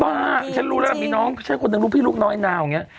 บ้าฉันรู้แล้วมีน้องใช่คนนึงพี่ลูกน้อยนาวอย่างเนี้ย